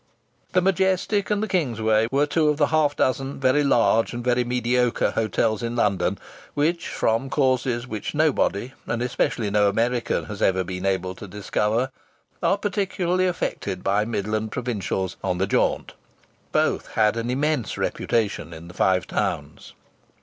The Majestic and the Kingsway were two of the half dozen very large and very mediocre hotels in London which, from causes which nobody, and especially no American, has ever been able to discover, are particularly affected by Midland provincials "on the jaunt!" Both had an immense reputation in the Five Towns.